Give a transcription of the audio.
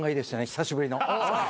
久しぶりの。